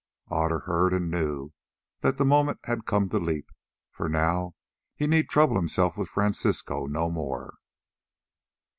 Otter heard and knew that the moment had come to leap, for now he need trouble himself with Francisco no more.